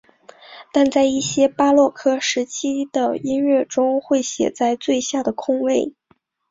但在一些巴洛克时期的音乐中会写在最下的空位。